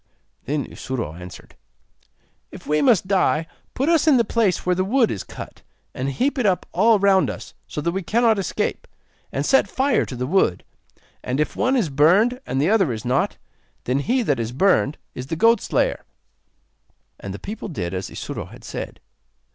Then Isuro answered: 'If we must die, put us in the place where the wood is cut, and heap it up all round us, so that we cannot escape, and set fire to the wood; and if one is burned and the other is not, then he that is burned is the goat slayer.' And the people did as Isuro had said.